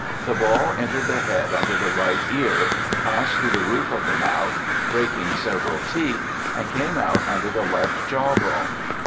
The ball entered the head under the right ear, passed through the roof of the mouth, breaking several teeth, and came out under the left jaw bone.